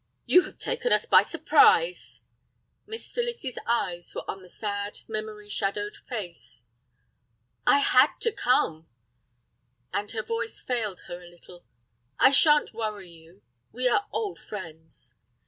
"You have taken us by surprise." Miss Phyllis's eyes were on the sad, memory shadowed face. "I had to come," and her voice failed her a little. "I sha'n't worry you; we are old friends."